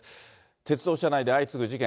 鉄道車内で相次ぐ事件。